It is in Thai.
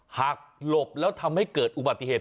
หลบแล้วทำให้เกิดอุบัติเหตุ